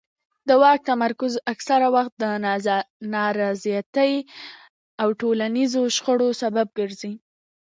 د واک تمرکز اکثره وخت د نارضایتۍ او ټولنیزو شخړو سبب ګرځي